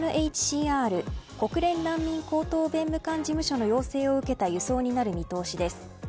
国連難民高等弁務官事務所の要請を受けた輸送になる見通しです。